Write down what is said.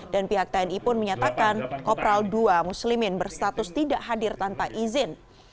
pihak tni pun menyatakan kopral ii muslimin berstatus tidak hadir tanpa izin